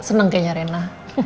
seneng kayaknya rena